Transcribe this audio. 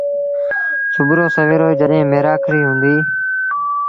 سُڀوٚ رو سويرو جڏهيݩٚ ميرآکڙيٚ هُنٚديٚ